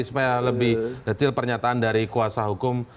supaya lebih detail pernyataan dari kuasa hukum